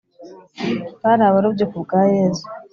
bari abarobyi kubwa yezu